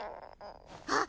あっ！